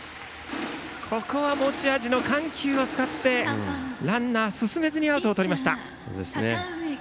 ここは持ち味の緩急を使ってランナー進めずにアウトをとりました。